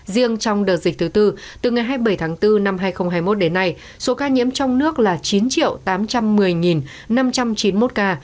riêng trong đợt dịch thứ tư từ ngày hai mươi bảy tháng bốn năm hai nghìn hai mươi một đến nay số ca nhiễm trong nước là chín tám trăm một mươi năm trăm chín mươi một ca